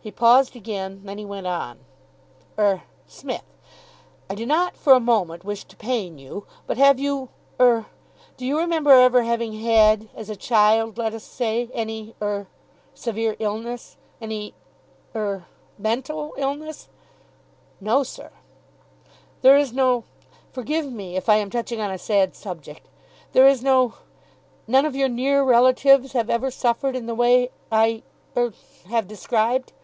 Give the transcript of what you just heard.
He paused again. Then he went on. "Er Smith, I do not for a moment wish to pain you, but have you er, do you remember ever having had, as a child, let us say, any er severe illness? Any er mental illness?" "No, sir." "There is no forgive me if I am touching on a sad subject there is no none of your near relatives have ever suffered in the way I er have described?"